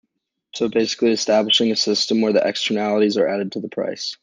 So basically establishing a system where the externalities are added to the price.